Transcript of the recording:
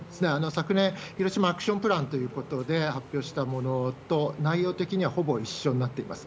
昨年、ヒロシマアクションプランということで発表したものと、内容的にはほぼ一緒になっています。